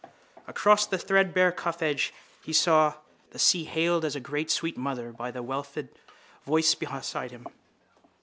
Across the threadbare cuffedge he saw the sea hailed as a great sweet mother by the wellfed voice beside him.